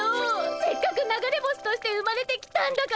せっかく流れ星として生まれてきたんだから。